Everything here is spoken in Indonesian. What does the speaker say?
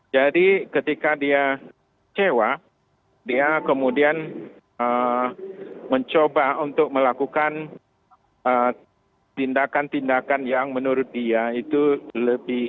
jadi ketika dia kecewa dia kemudian mencoba untuk melakukan tindakan tindakan yang menurut dia itu lebih